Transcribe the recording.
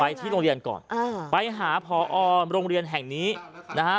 ที่โรงเรียนก่อนอ่าไปหาพอโรงเรียนแห่งนี้นะฮะ